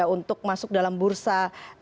untuk masuk dalam bursa